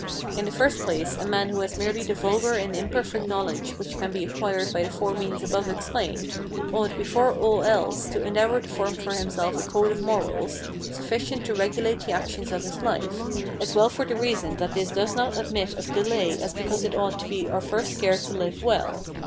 In the first place, a man who has merely the vulgar and imperfect knowledge which can be acquired by the four means above explained, ought, before all else, to endeavour to form for himself a code of morals, sufficient to regulate the actions of his life, as well for the reason that this does not admit of delay as because it ought to be our first care to live well.